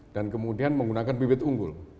dan kemudian menggunakan bibit unggul